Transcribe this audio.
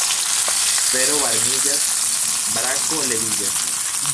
Fero varmiĝas, Brako leviĝas.